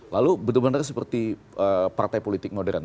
lalu benar benar seperti partai politik modern